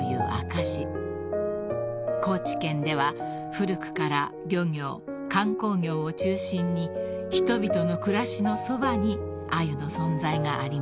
［高知県では古くから漁業観光業を中心に人々の暮らしのそばにアユの存在がありました］